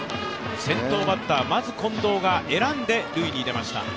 先頭バッター、まず近藤が選んで塁に出ました。